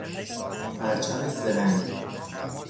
پرچم سه رنگ